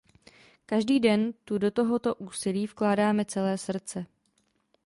Každý den tu do tohoto úsilí vkládáme celé srdce.